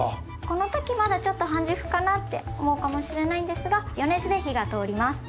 この時まだちょっと半熟かなって思うかもしれないんですが余熱で火が通ります。